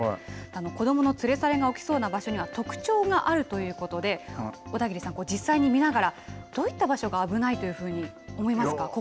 子どもの連れ去りが起きそうな場所は特徴があるということで小田切さん、実際に見ながらどういった場所が危ないと思いますか。